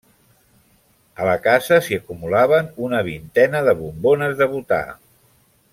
A la casa s'hi acumulaven una vintena de bombones de butà.